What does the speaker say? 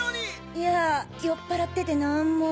いやぁ酔っぱらってて何も。